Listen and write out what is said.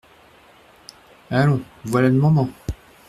Allons, voilà le moment !